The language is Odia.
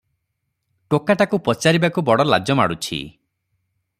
ଟୋକାଟାକୁ ପଚାରିବାକୁ ବଡ଼ ଲାଜ ମାଡ଼ୁଛି ।